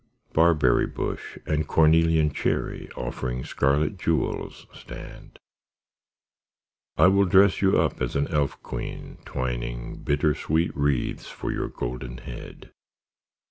Barberry bush and cornelian cherry Offering scarlet jewels stand. I will dress you up as an elf queen, twining Bittersweet wreaths for your golden head.